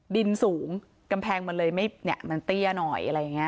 ดินสูงกำแพงมันเลยไม่เนี่ยมันเตี้ยหน่อยอะไรอย่างนี้